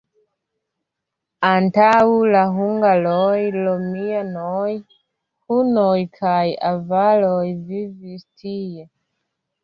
Antaŭ la hungaroj romianoj, hunoj kaj avaroj vivis tie.